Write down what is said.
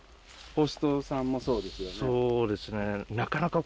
法師人さんもそうですよね？